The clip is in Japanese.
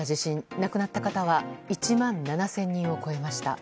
亡くなった方は１万７０００人を超えました。